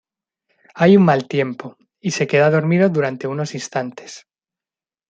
Hay un mal tiempo, y se queda dormido durante unos instantes.